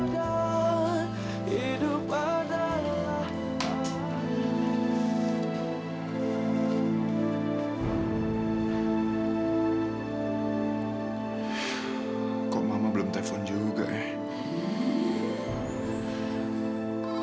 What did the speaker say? tidak ada yang tahu kak